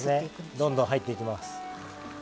どんどん入っていきます。